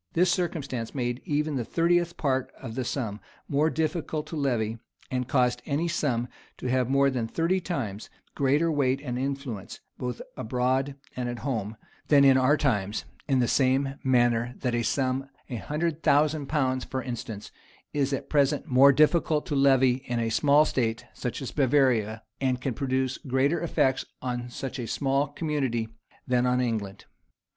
This circumstance made even the thirtieth part of the sum more difficult to levy, and caused any sum to have more than thirty times greater weight and influence, both abroad and at home, than in our times; in the same manner that a sum, a hundred thousand pounds, for instance, is at present more difficult to levy in a small state, such as Bavaria, and can produce greater effects on such a small community than on England.